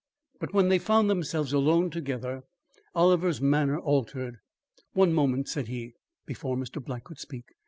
But when they found themselves alone together, Oliver's manner altered. "One moment," said he, before Mr. Black could speak.